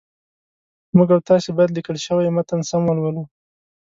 موږ او تاسي باید لیکل شوی متن سم ولولو